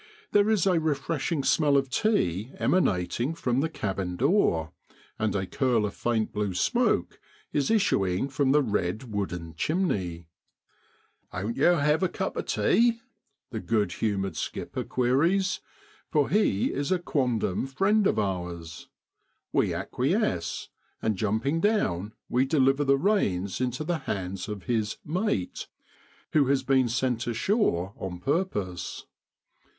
There is a refreshing smell of tea emanating from the cabin door, and a curl of faint blue smoke is issuing from the red wooden chimney. 'Oan't yow hev a cup of tea?' the good humoured skipper queries, for he is a quondam friend of ours. We acquiesce, and jumping down we deliver the reins into the hands of his ' mate,' who has been sent ashore on purpose.